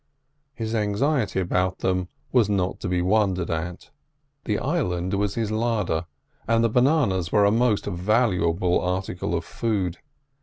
His anxiety about them was not to be wondered at. The island was his larder, and the bananas were a most valuable article of food.